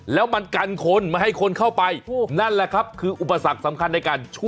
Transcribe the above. แล้วมันกันคนมาให้คนเข้าไป